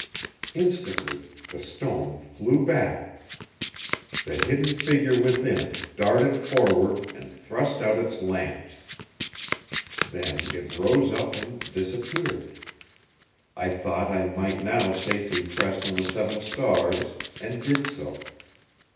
"Instantly the stone flew back. The hidden figure within darted forward and thrust out its lance. Then it rose up and disappeared. I thought I might now safely press on the seven stars; and did so.